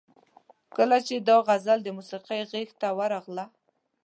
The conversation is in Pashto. کله چې دا غزل د موسیقۍ غیږ ته ورغله.